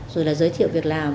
rồi giới thiệu việc làm